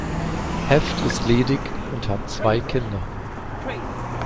Heft ist ledig und hat zwei Kinder.